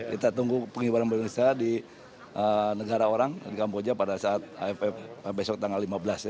kita tunggu pengibaran bendera indonesia di negara orang di kamboja pada saat afp besok tanggal lima belas